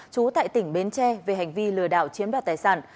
trú tại tỉnh bến tre về hành vi lừa đảo chiếm đoạt tài sản